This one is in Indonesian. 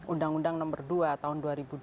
undang undang nomor dua tahun dua ribu dua